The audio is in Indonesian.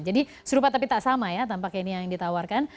jadi serupa tapi tak sama ya tampaknya ini yang ditawarkan